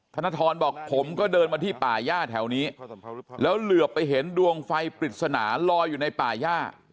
ธนทรบอกผมก็เดินมาที่ป่าย่าแถวนี้แล้วเหลือไปเห็นดวงไฟปริศนาลอยอยู่ในป่าย่า